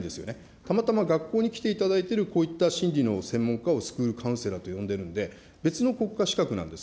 たまたま学校に来ていただいているこういった心理の専門家をスクールカウンセラーと呼んでいるんで、別の国家資格なんです。